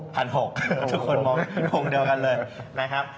๑๖๐๐ทุกคนมองทงเดียวกันเลยนะครับ